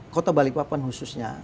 kota balikpapan khususnya